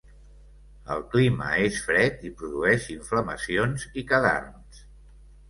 El clima és fred, i produeix inflamacions i cadarns.